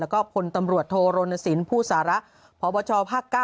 แล้วก็พลตำรวจโทรณสินผู้สาระพบชภาค๙